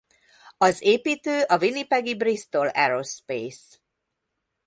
Az építő a winnipegi Bristol Aerospace.